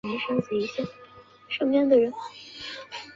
现在普雷斯顿车站共有八个月台。